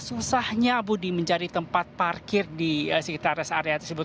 susahnya budi mencari tempat parkir di sekitar res area tersebut